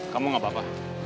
kamu gak apa apa